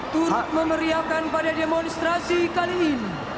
turut memeriakan pada demonstrasi kali ini